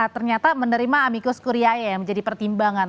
ternyata menerima amiko skuriae menjadi pertimbangan